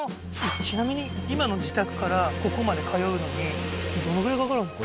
ちなみに今の自宅からここまで通うのにどのぐらいかかるんですか？